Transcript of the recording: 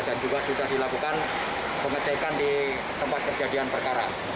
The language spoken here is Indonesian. dan juga sudah dilakukan pengecekan di tempat kejadian perkara